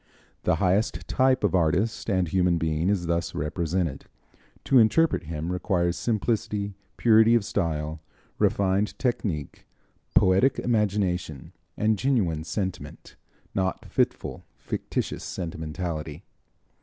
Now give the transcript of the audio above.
The highest type of artist and human being is thus represented. To interpret him requires simplicity, purity of style, refined technique, poetic imagination and genuine sentiment not fitful, fictitious sentimentality.